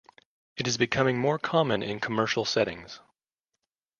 It is becoming more common in commercial settings.